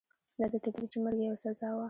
دا د تدریجي مرګ یوه سزا وه.